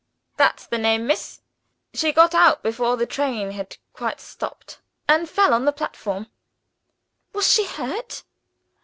"That's the name, miss! She got out before the train had quite stopped, and fell on the platform." "Was she hurt?"